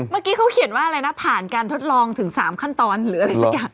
เมื่อกี้เขาเขียนว่าอะไรนะผ่านการทดลองถึง๓ขั้นตอนหรืออะไรสักอย่าง